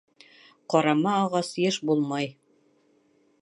Ҡарама ағас йыш булмай